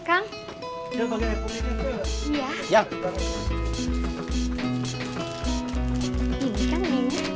ini kang ini